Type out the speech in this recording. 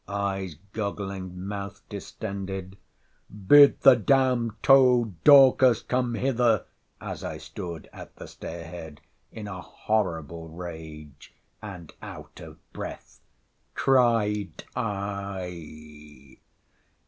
—Eyes goggling, mouth distended—Bid the damn'd toad Dorcas come hither, (as I stood at the stair head,) in a horrible rage, and out of breath, cried I.